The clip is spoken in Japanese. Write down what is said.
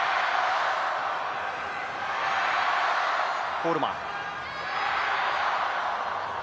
コールマン。